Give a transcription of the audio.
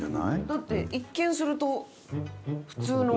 だって一見すると普通の。